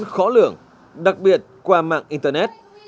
tội phạm vẫn khó lưỡng đặc biệt qua mạng internet